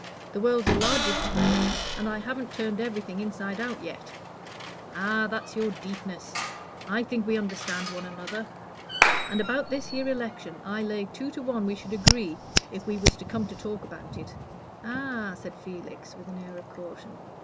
The world's a largish place, and I haven't turned everything inside out yet." "Ah, that's your deepness. I think we understand one another. And about this here election, I lay two to one we should agree if we was to come to talk about it." "Ah!" said Felix, with an air of caution.